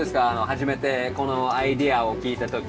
初めてこのアイデアを聞いた時。